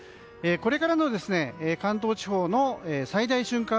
これからの関東地方の最大瞬間